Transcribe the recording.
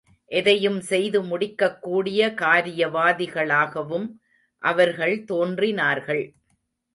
எதையும் செய்து முடிக்கக்கூடிய காரியவாதிகளாகவும் அவர்கள் தோன்றினார்கள்.